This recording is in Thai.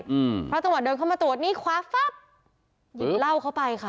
อืมเพราะจังหวะเดินเข้ามาตรวจนี่คว้าปั๊บหยิบเหล้าเข้าไปค่ะ